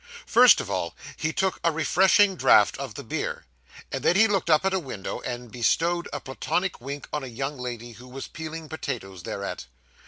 First of all, he took a refreshing draught of the beer, and then he looked up at a window, and bestowed a platonic wink on a young lady who was peeling potatoes thereat.